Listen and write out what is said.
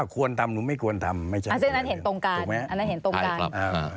ข้อที่๒ครับ